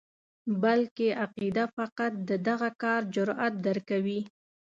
بلکې عقیده فقط د دغه کار جرأت درکوي.